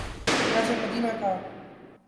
ریاست مدینہ کا۔